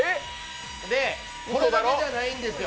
で、これだけじゃないんですよ